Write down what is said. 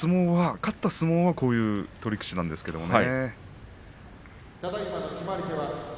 勝つ相撲はこういう相撲なんですけどね。